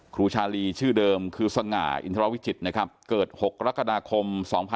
ครูชาลีชื่อเดิมคือสง่าอินทราวิจิตเกิด๖รักษณะคม๒๔๖๖